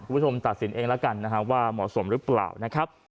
คุณผู้ชมตัดสินเองแล้วกันว่าเหมาะสมหรือเปล่านะครับ